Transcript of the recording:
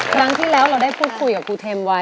ครั้งที่แล้วเราได้พูดคุยกับครูเทมไว้